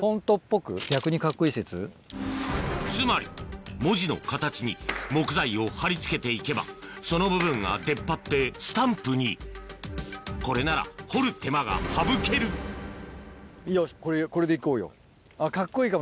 つまり文字の形に木材を張り付けて行けばその部分が出っ張ってスタンプにこれなら彫る手間が省けるよしこれで行こうよ。